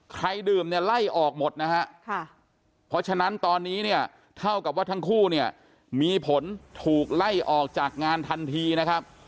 ใครดื่มเนี่ยไล่ออกหมดนะฮะเพราะฉะนั้นตอนนี้เนี่ยเท่ากับว่าทั้งคู่เนี่ยมีผลถูกไล่ออกจากงานทันทีนะครับ